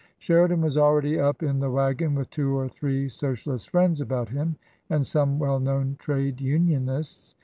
Sheridan was already up in the waggon with two or three Socialist friends about him and some well known Trade Unionists.